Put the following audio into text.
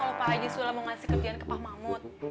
kalau pak haji sudah mau ngasih kerjaan ke pak mahmud